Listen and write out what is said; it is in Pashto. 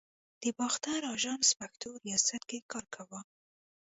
د باختر آژانس پښتو ریاست کې کار کاوه.